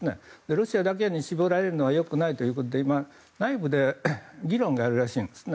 ロシアだけに絞られるのは良くないということで内部で議論があるらしいんです。